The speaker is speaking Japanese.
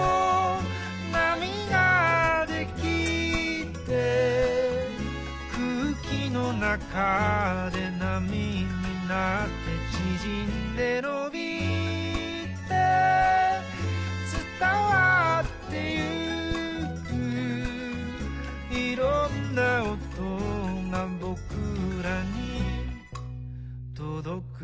「なみができて」「くうきのなかでなみになって」「ちぢんでのびてつたわってゆく」「いろんなおとがぼくらにとどく」